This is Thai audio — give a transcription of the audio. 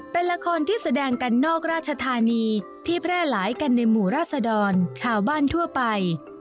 เป็นละครที่แสดงกันนอกราชธานีที่แพร่หลายกันในหมู่ราชดรชาวบ้านทั่วไป